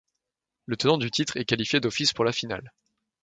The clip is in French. Le tenant du titre est qualifié d'office pour la finale.